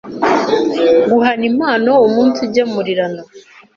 guhana impano, umunsigemurirana,